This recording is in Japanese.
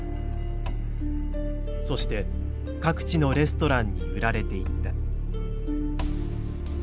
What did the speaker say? そして各地のレストランに売られていった。